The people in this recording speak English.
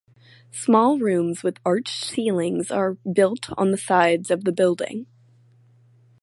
Small rooms with arched ceilings are built on the sides of the building.